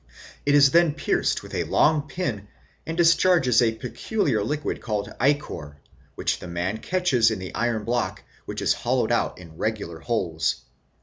Then it is pierced with a long pin and discharges a peculiar liquid called ichor, which the man 'catches in the iron block whicb is hollowed out in regular holes.